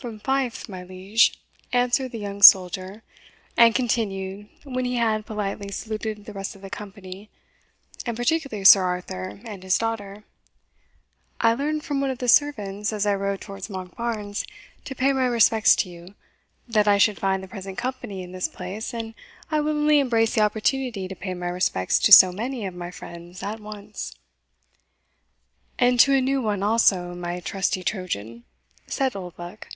"From Fife, my liege," answered the young soldier, and continued, when he had politely saluted the rest of the company, and particularly Sir Arthur and his daughter "I learned from one of the servants, as I rode towards Monkbarns to pay my respects to you, that I should find the present company in this place, and I willingly embrace the opportunity to pay my respects to so many of my friends at once." "And to a new one also, my trusty Trojan," said Oldbuck.